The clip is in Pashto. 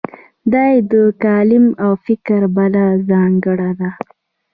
دا یې د کالم د فکر بله ځانګړنه ده.